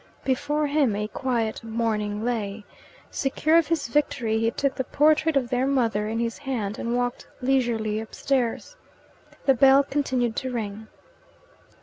Before him a quiet morning lay. Secure of his victory, he took the portrait of their mother in his hand and walked leisurely upstairs. The bell continued to ring.